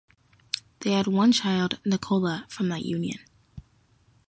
They had one child, Nicola, from that union.